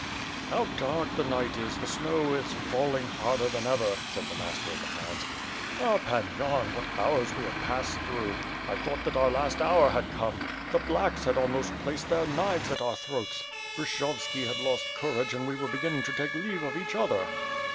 "How dark the night is, the snow is is falling harder than ever," said the Master of the Hounds. "Ah, Pan Yan, what hours we have passed through to day! I thought that our last hour had come. The Slacks* had almost placed their knives at our throats. Bryshovski had lost courage and we were beginning to take leave of each other."